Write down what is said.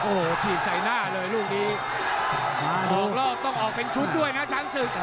ออกแล้วต้องออกเป็นชุดด้วยนะชั้นศึก